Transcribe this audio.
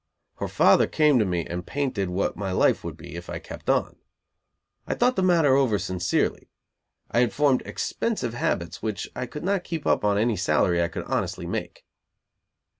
Her father came to me and painted what my life would be, if I kept on. I thought the matter over sincerely. I had formed expensive habits which I could not keep up on any salary I could honestly make.